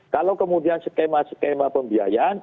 kalau kemudian skema skema pembiayaan